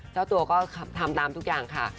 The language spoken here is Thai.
เจ้าตัวก็ทำตามทุกอย่างค่ะ